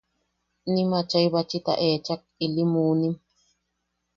Nim achai bachita echak ili munim.